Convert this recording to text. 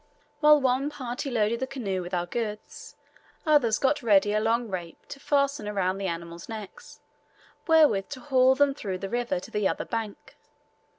While one party loaded the canoe with our goods, others got ready a long rape to fasten around the animals' necks, wherewith to haul them through the river to the other bank.